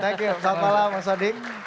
thank you selamat malam bang sonik